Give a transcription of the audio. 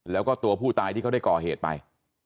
แล้วก็ตัวผู้ตายที่เขาได้ก่อเหตุไป